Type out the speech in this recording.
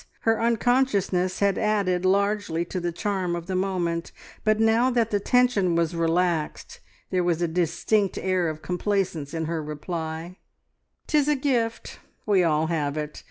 Her unconsciousness had added largely to the charm of the moment, but now that the tension was relaxed there was a distinct air of complacence in her reply. "'Tis a gift; we all have it.